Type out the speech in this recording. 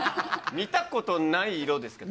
見たことない色ですけど。